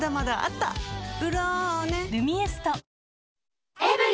「ブローネ」「ルミエスト」